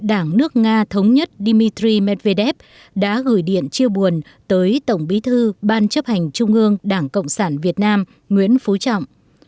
đảng nước nga thống nhất dmitry medvedev đã gửi điện chia buồn tới tổng bí thư ban chấp hành trung ương đảng cộng sản việt nam nguyễn phú trọng